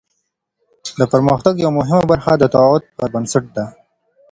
د پرمختګ یوه مهمه برخه د تعهد پر بنسټ ده.